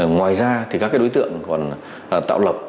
ngoài ra các đối tượng còn tạo lập